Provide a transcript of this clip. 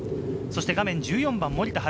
画面１４番、森田遥